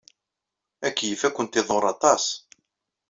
Akeyyef ad kent-iḍurr aṭas.